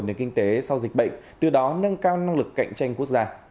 nền kinh tế sau dịch bệnh từ đó nâng cao năng lực cạnh tranh quốc gia